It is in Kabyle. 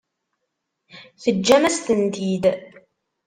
Teǧǧam-as-tent-id.